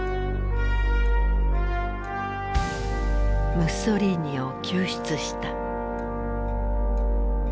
ムッソリーニを救出した。